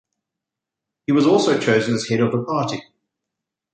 He was also chosen as head of the party.